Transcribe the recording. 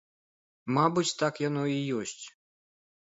Мабыць, так яно і ёсць.